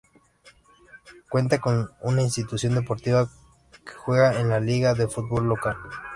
Cuenta con una institución deportiva que juega en la liga de fútbol local.